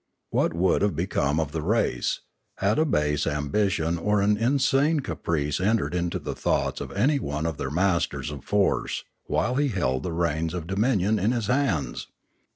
What would have become of the race, had a base ambition or an insane caprice entered into the thoughts of anyone of their masters of force while he held the reins of dominion in his hands?